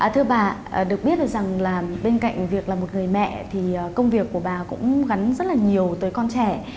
thưa bà được biết được rằng là bên cạnh việc là một người mẹ thì công việc của bà cũng gắn rất là nhiều tới con trẻ